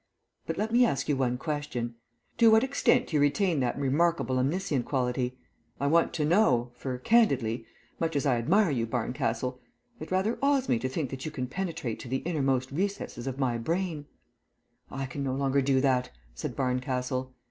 But let me ask you one question. To what extent do you retain that remarkable omniscient quality? I want to know, for candidly, much as I admire you, Barncastle, it rather awes me to think that you can penetrate to the innermost recesses of my brain " "I can no longer do that," said Barncastle.